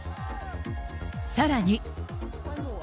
さらに。